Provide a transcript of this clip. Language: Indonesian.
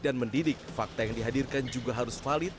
dan mendidik fakta yang dihadirkan juga harus valid